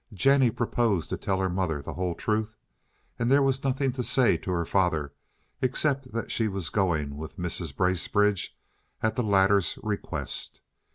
Jennie proposed to tell her mother the whole truth, and there was nothing to say to her father except that she was going with Mrs. Bracebridge at the latter's request.